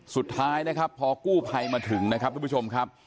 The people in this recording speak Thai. สุดท้ายนะครับพอกู้ภัยมาถึงนะครับทุกผู้ชมครับ